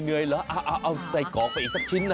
เหนื่อยเหรอเอาใส่กรอกไปอีกสักชิ้นนะ